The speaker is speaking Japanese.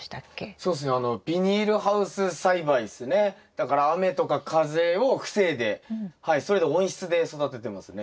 だから雨とか風を防いでそれで温室で育ててますね。